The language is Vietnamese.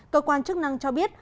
cơ quan chức năng cho biết